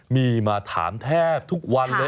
มีมาถามแทบทุกวันเลย